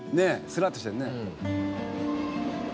スラッとしてるね。